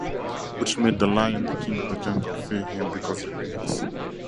Which made the lion the king of the jungle fear him because he reads.